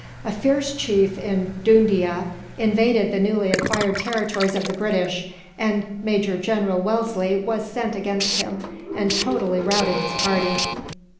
A fierce chief in Dhoondia invaded the newly acquired territories of the British, and Major General Wellesley was sent against him, and totally routed his party.